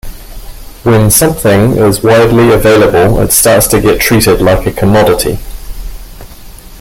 When something is widely available, it starts to get treated like a commodity.